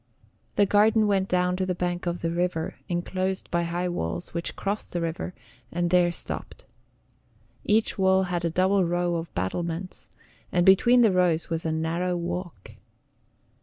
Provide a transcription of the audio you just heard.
The garden went down to the bank of the river, inclosed by high walls, which crossed the river, and there stopped. Each wall had a double row of battlements, and between the rows was a narrow walk.